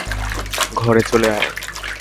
ঘরে চলে আয়।